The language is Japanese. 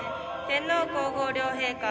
天皇皇后両陛下